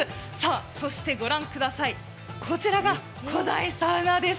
そして御覧ください、こちらが古代サウナです。